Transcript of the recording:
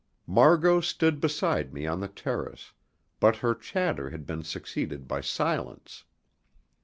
Margot stood beside me on the terrace, but her chatter had been succeeded by silence.